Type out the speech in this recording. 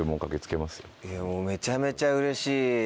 めちゃめちゃうれしい！